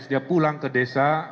dia pulang ke desa